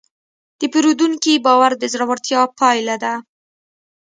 د پیرودونکي باور د زړورتیا پایله ده.